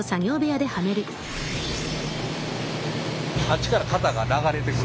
あっちから型が流れてくる。